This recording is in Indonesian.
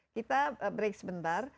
kita break sebentar